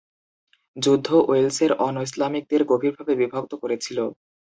যুদ্ধ ওয়েলসের অনৈসলামিকদের গভীরভাবে বিভক্ত করেছিল।